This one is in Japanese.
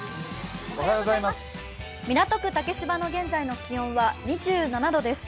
港区竹芝の現在の気温は２７度です。